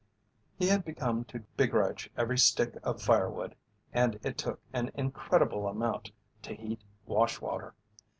He had come to begrudge every stick of firewood, and it took an incredible amount to heat wash water.